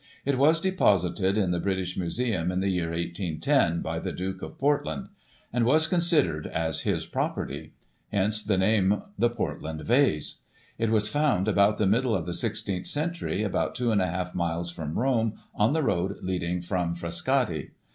It was deposited in the British Museum in the year 1 810 by the Duke of Port land, and was considered as his property ; hence the name of the Portland Vase." It was found about the middle of the 1 6th century, about two and a half miles from Rome, on the road leading from Frascati.